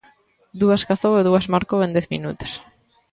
Dúas cazou e dúas marcou en dez minutos.